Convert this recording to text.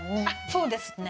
そうですね。